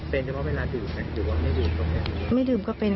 เป็นเฉพาะเวลาดื่มไหมถือว่าไม่ดื่มก็เป็น